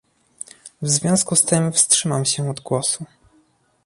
W związku z tym wstrzymam się od głosu